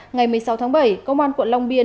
ngày một mươi sáu tháng bảy công an quận long biên